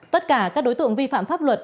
tất cả các đối tượng vi phạm pháp luật